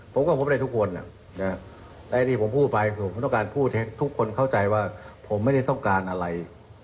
ผมกับผมได้ทุกคนแต่ที่ผมพูดไปผมต้องการพูดให้ทุกคนเข้าใจว่าผมไม่ได้ต้องการอะไร